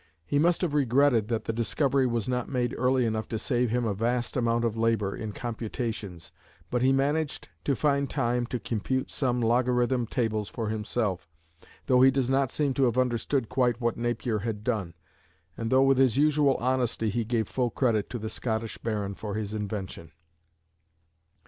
He must have regretted that the discovery was not made early enough to save him a vast amount of labour in computations, but he managed to find time to compute some logarithm tables for himself, though he does not seem to have understood quite what Napier had done, and though with his usual honesty he gave full credit to the Scottish baron for his invention.